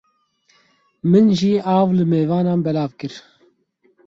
Min jî av li mêvanan belav kir.